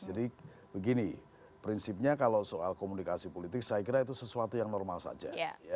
jadi begini prinsipnya kalau soal komunikasi politik saya kira itu sesuatu yang normal saja